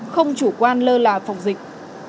không chủ quan lơ là phòng dịch